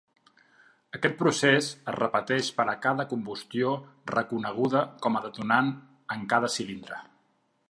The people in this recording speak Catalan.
Aquest procés es repeteix per a cada combustió reconeguda com a detonant en cada cilindre.